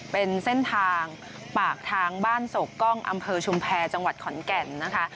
เป็นเส้นทางปากทางบ้านโศกกล้องอำเภอชุมแพรจังหวัดขอนแก่นนะคะ